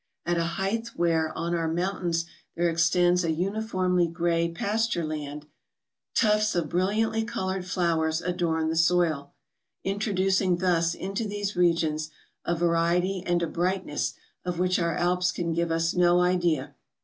At a height 188 MOUNTAIN ADVENTURES. where on our mountains there extends a uniformly grey pasture land, tufts of brilliantly coloured flowers adorn the soil, introducing thus into these regions a variety and a brightness of which our Alps can giv'e us no idea.